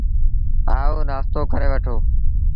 آئو، نآشتو ڪري وٺو۔